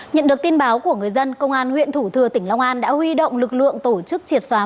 nhận được tin báo của người dân công an huyện thủ thừa tỉnh long an đã huy động lực lượng tổ chức triệt xóa